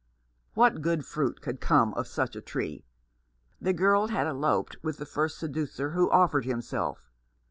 What good fruit could come of such a tree ? The girl had eloped with the first seducer who offered himself.